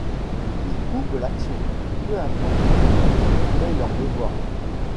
Ils coupent l'action ; peu importe, ils ont fait leur devoir.